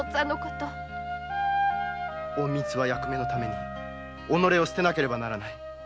隠密は役目のために己を捨てねばならない。